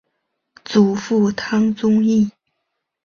祖父汤宗义。